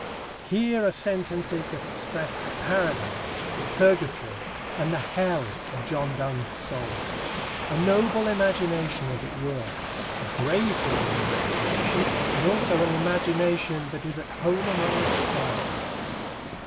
Here are sentences that express the Paradise, the Purgatory, and the Hell of John Donne's soul. A noble imagination is at work a grave digging imagination, but also an imagination that is at home among the stars.